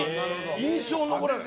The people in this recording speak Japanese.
印象に残らない。